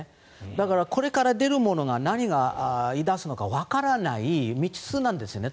だから、これから出るものが何を言い出すのかわからない未知数なんですね。